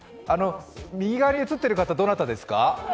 右側に映ってる方、どなたですか？